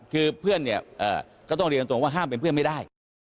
คือเพื่อนเนี่ยก็ต้องเรียนตรงว่าห้ามเป็นเพื่อนไม่ได้